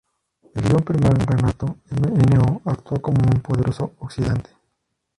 El ion permanganato MnO actúa como un poderoso oxidante.